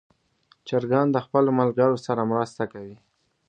چرګان د خپلو ملګرو سره مرسته کوي.